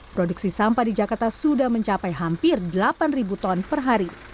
produksi sampah di jakarta sudah mencapai hampir delapan ton per hari